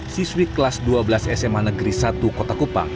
siswi kelas dua belas sma negeri satu kota kupang